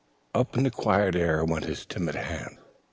Up into the quiet air went his timid hand.